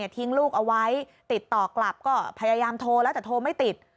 ทิ้งลูกเอาไว้ติดต่อกลับก็พยายามโทรแล้วแต่โทรไม่ติด